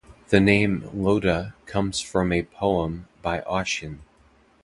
The name Loda comes from a poem by Ossian.